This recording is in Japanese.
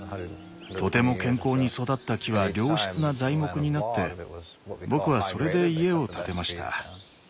とても健康に育った木は良質な材木になって僕はそれで家を建てました。